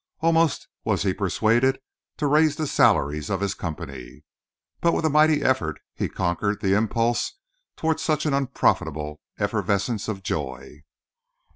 Almost was he persuaded to raise the salaries of his company. But with a mighty effort he conquered the impulse toward such an unprofitable effervescence of joy.